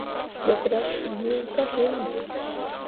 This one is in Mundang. Ɗukra suu iŋ pah hinni.